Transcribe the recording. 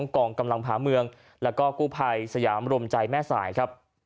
กองกำลังผ่าเมืองแล้วก็กู้ภัยสยามรมใจแม่สายครับ